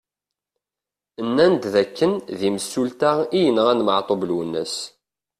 Nnan-d d akken d imsulta i yenɣan Maɛtub Lwennas.